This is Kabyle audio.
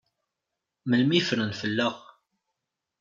Melmi i ffren fell-aɣ?